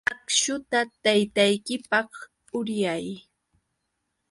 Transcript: Akśhuta taytaykipaq uryay.